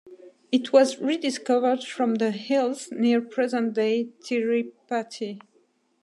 It was rediscovered from the hills near present-day Tirupati.